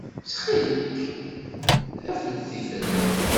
Ttxil-k, af-d tifrat.